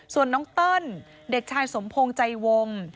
ส่วนน้องเติ้ลเด็กชายสมพงศ์ใจวง